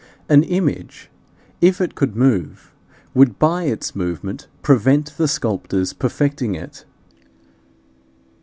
An image, if it could move, would by its movement prevent the sculptor's perfecting it.